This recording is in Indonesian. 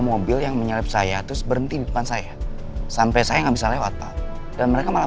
mobil yang menyalip saya terus berhenti di depan saya sampai saya nggak bisa lewat pak dan mereka malah